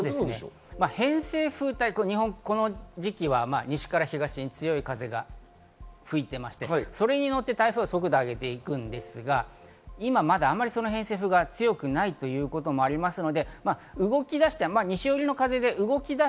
偏西風、この時期、西から東に強い風が吹いていまして、それに乗って台風は速度を上げていくんですが、今まだその偏西風が強くないということもありますので、動き出してはいるんですが、西寄りの風で。